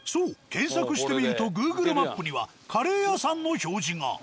検索してみるとＧｏｏｇｌｅマップにはカレー屋さんの表示が。